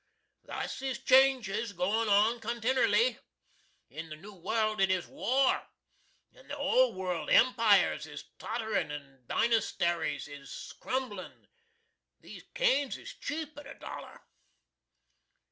Thus is changes goin' on continerly. In the New World it is war in the Old World Empires is totterin' & Dysentaries is crumblin'. These canes is cheap at a dollar.